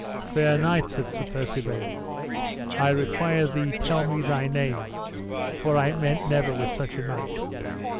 Fair knight, said Sir Percivale, I require thee tell me thy name, for I met never with such a knight.